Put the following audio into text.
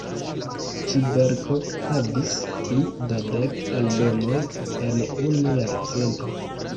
Ĉi-verko havis pli da dek eldonoj en unu jarcento.